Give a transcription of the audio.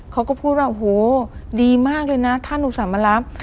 เขาก็พูดว่าโหดีมากเลยนะท่านอุตส่าห์มารับ